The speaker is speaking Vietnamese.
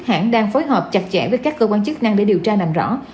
hãng đang phối hợp chặt chẽ với các cơ quan chức năng để điều tra làm rõ